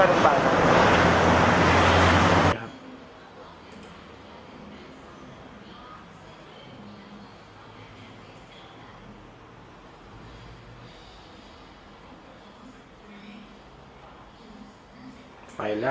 อันนี้ก็รังเดียวซึ่งก็ต้องติดต่อไปด้วย